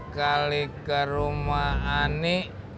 kali ke rumah ani